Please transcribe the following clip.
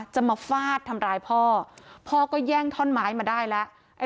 จะมาฟาดทำร้ายพ่อพ่อก็แย่งท่อนไม้มาได้แล้ว